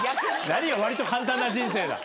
何が割と簡単な人生だ。